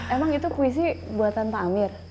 emang itu puisi buatan pak amir